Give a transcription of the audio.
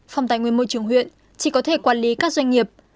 phòng tài nguyên môi trường huyện chỉ có thể quản lý các doanh nghiệp